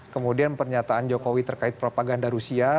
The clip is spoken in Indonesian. kemudian pernyataan jokowi terkait propaganda rusia